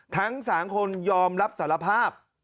ทั้ง๓คนยอมรับสารภาพ